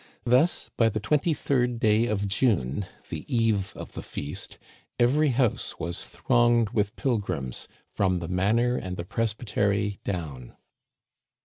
Thus by the twenty third day of June, the eve of the feast, every house was thronged with pilgrims from the manor and the presbytery down.